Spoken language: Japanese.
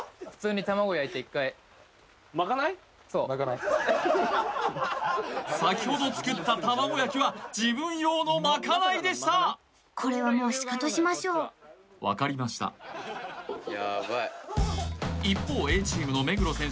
そう・まかない先ほど作ったたまご焼きは自分用のまかないでしたこれはもうシカトしましょう分かりましたヤバい一方Ａチームの目黒選手